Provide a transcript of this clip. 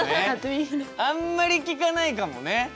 あんまり聞かないかもね。